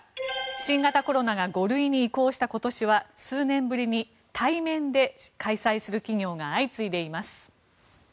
新型コロナが５類に移行した今年は数年ぶりに対面で開催する企業が相次いでいます。